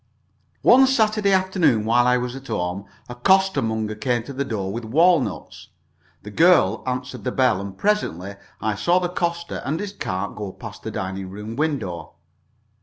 One Saturday afternoon, while I was at home, a costermonger came to the door with walnuts. The girl answered the bell, and presently I saw the coster and his cart go past the dining room window.